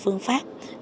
phương pháp là gì